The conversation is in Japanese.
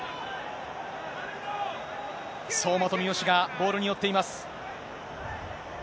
相馬と三好がボールに寄っています。